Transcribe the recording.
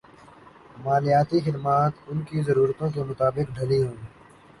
مالیاتی خدمات ان کی ضرورتوں کے مطابق ڈھلی ہوں